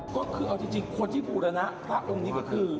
ก็คือเอาจริงคนที่บูรณะพระองค์นี้ก็คือ